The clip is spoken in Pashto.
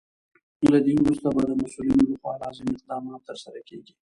له دې وروسته به د مسولینو لخوا لازم اقدامات ترسره کیږي.